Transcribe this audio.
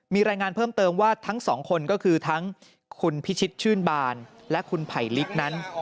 มีรายงานเพิ่มเติมว่าทั้งสองคนก็คือทั้งคุณพิชิตชื่นบานและคุณไผลลิกนั้น